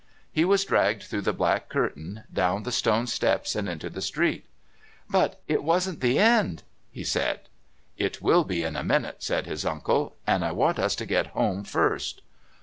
He was dragged through the black curtain, down the stone steps, and into the street. "But it wasn't the end," he said. "It will be in one minute," said his uncle. "And I want us to get home first."